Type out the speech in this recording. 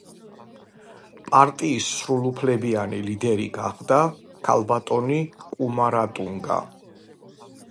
პარტიის სრულუფლებიანი ლიდერი გახდა ქალბატონი კუმარატუნგა.